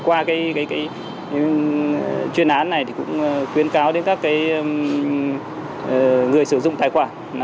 qua chuyên án này thì cũng khuyến cáo đến các người sử dụng tài khoản